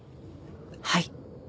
はい。